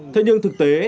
thế nhưng thực tế